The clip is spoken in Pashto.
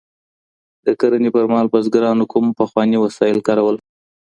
د کرنې پر مهال بزګرانو کوم پخواني وسایل کارول؟